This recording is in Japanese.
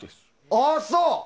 ああ、そう！